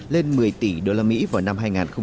lên một mươi tỷ usd vào năm hai nghìn một mươi tám